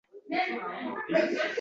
Qizg’aldoqday boshim egik bu makonda